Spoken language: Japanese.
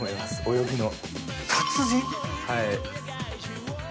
泳ぎの。